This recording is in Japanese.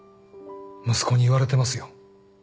息子に言われてますよ。